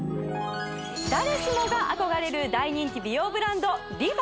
誰しもが憧れる大人気美容ブランドＲｅＦａ